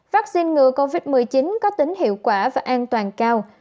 vaccine ngừa covid một mươi chín có tính hiệu quả và an toàn cao